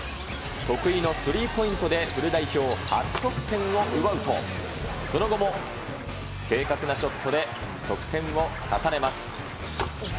得意のスリーポイントでフル代表初得点を奪うと、その後も、正確なショットで、得点を重ねます。